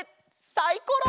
サイコロ！